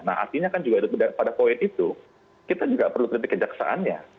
nah artinya kan juga pada poin itu kita juga perlu kritik kejaksaannya